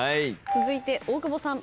続いて大久保さん。